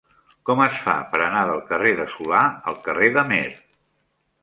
Com es fa per anar del carrer de Solà al carrer d'Amer?